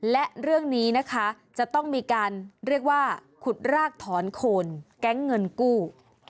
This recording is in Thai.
และเรื่องนี้นะคะจะต้องมีการเรียกว่าขุดรากถอนโคนแก๊งเงินกู้